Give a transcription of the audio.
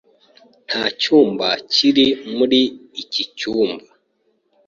Nta cyumba kiri muri iki cyumba.